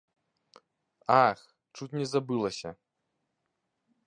Ах, чуць не забылася.